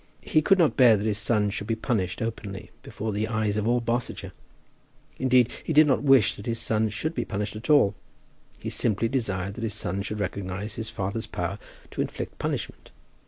He could not bear that his son should be punished, openly, before the eyes of all Barsetshire. Indeed he did not wish that his son should be punished at all. He simply desired that his son should recognize his father's power to inflict punishment.